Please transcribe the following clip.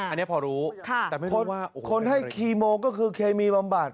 อันนี้พอรู้แต่ไม่พบว่าคนให้คีโมก็คือเคมีบำบัด